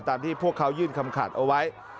ที่พวกเขายื่นคำขาดเอาไว้